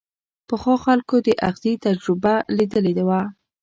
پخوا خلکو د ازغي تجربه ليدلې وه.